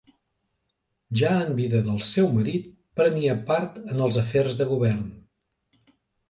Ja en vida del seu marit prenia part en els afers de govern.